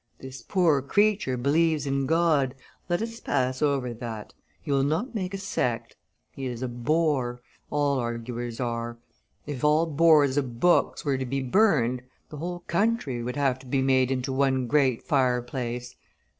This poor creature believes in God, let us pass over that; he will not make a sect. He is a bore; all arguers are. If all bores of books were to be burned, the whole country would have to be made into one great fireplace.